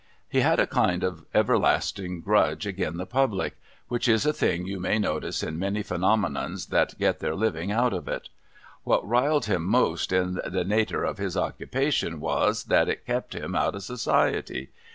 He had a kind of a everlasting grudge agin the Public : which is a thing you may notice in many phenomenons that get their living 188 GOING INTO SOCIETY out of it. \Miat riled him most in the nater of his occupation was, that it kcp liini out of Society.